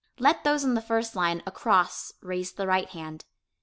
Let those in the first line across raise the right hand.